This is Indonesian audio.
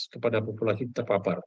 kepada populasi terpapar